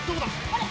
あれ？